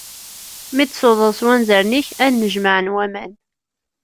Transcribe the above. Mi d-tṣuḍeḍ s wanzaren-ik, ad nnejmaɛen waman.